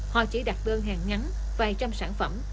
họ chỉ đặt đơn hàng ngắn vài trăm sản phẩm